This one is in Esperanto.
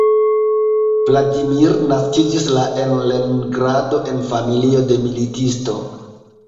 Vladimir naskiĝis la en Leningrado en familio de militisto.